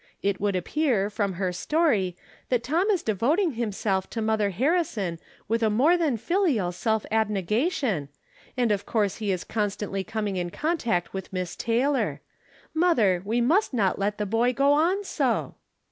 It would appear, from her story, that Tom is devoting himself to Mother Harrison with a more than filial self ab negation, and of course he is constantly coming in contact with Miss Taylor. Mother, we must not let the boy go on so.